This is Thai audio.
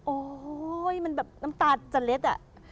โอ้โฮมันแบบน้ำตาจันเล็ด